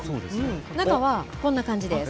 中はこんな感じです。